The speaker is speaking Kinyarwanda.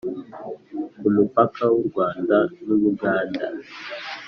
ku mupaka w'u rwanda n'u buganda,